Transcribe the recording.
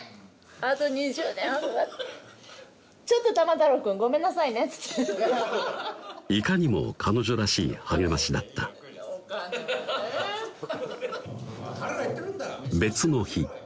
あと２０年若かったらちょっと玉太郎君ごめんなさいねっつっていかにも彼女らしい励ましだった別の日